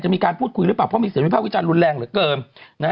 มีการพูดคุยหรือเปล่าเพราะมีเสียงวิภาควิจารณรุนแรงเหลือเกิน